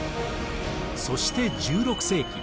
そして１６世紀。